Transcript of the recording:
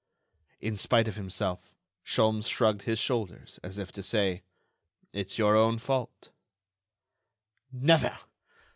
In spite of himself, Sholmes shrugged his shoulders, as if to say: "It's your own fault." "Never!